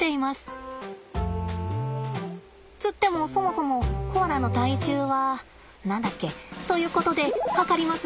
つってもそもそもコアラの体重は何だっけ？ということで量ります。